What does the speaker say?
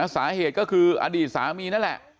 สาเหตุก็คืออดีตสามีนั่นแหละ